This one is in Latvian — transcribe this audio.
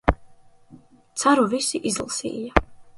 Ceru, visi izlasīja.